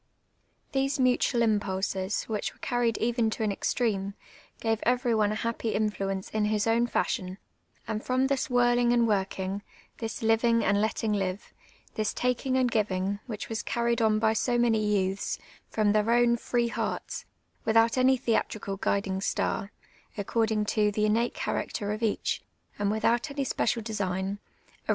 These mutual impulses, w Inch were carried even to an extreme, gave every one a happy influence in his own fashion ; and from this whirling and working, tliis living and letting livc, tJiis taking and giving, which was carried on by so many youths, from their own free hearts, without any theatrical guiding star, according to tlic innate chjiracter of each, and w ithout any s])ecial design, aro.'